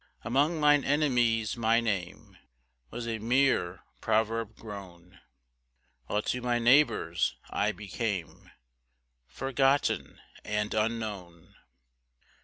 3 Among mine enemies my name Was a mere proverb grown, While to my neighbours I became Forgotten and unknown.